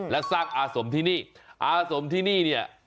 และสร้างอาสมที่นี่อาสมที่นี่เนี่ย